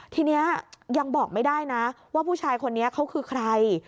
ทีนี้ยังบอกไม่ได้นะว่าผู้ชายคนนี้เขาคือใคร